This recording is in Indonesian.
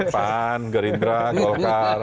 pan gerindra golkar